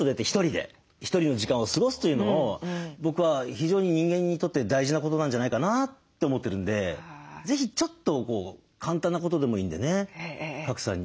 ひとりの時間を過ごすというのを僕は非常に人間にとって大事なことなんじゃないかなって思ってるんで是非ちょっと簡単なことでもいいんでね賀来さんに勧めたいですね。